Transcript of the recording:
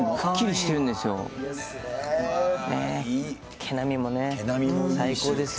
毛並みもね、最高ですよ。